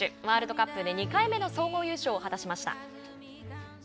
ワールドカップで２回目の総合優勝を果たしました。